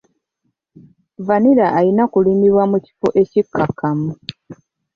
Vanilla alina kulimibwa mu kifo ekikakkamu.